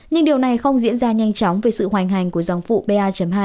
nhưng điều này không diễn ra nhanh chóng với sự hoành hành của dòng phụ pa hai